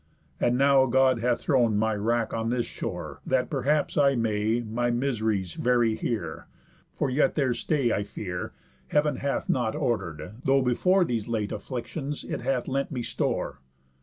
And now God hath thrown My wrack on this shore, that perhaps I may My mis'ries vary here; for yet their stay, I fear, Heav'n hath not order'd, though, before These late afflictions, it hath lent me store.